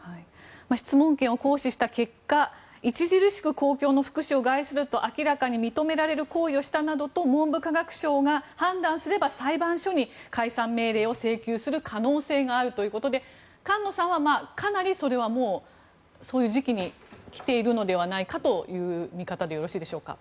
質問権を行使した結果著しく公共の福祉を害すると明らかに認められる行為をしたなどと文部科学省が判断すれば裁判所に解散命令を請求する可能性があるということで菅野さんはかなりそれはもうそういう時期に来ているのではという見方でよろしいでしょうか。